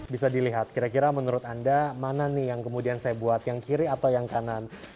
bisa dilihat kira kira menurut anda mana nih yang kemudian saya buat yang kiri atau yang kanan